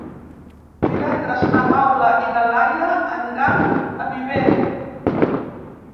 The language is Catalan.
Divendres na Paula i na Laia aniran a Viver.